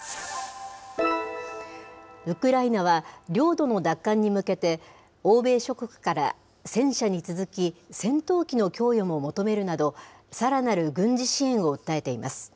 ウクライナは、領土の奪還に向けて、欧米諸国から戦車に続き、戦闘機の供与も求めるなど、さらなる軍事支援を訴えています。